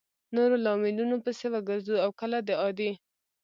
نورو لاملونو پسې وګرځو او کله د عادي